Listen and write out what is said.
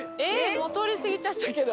もう通り過ぎちゃったけど。